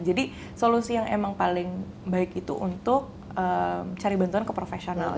jadi solusi yang emang paling baik itu untuk cari bantuan ke profesional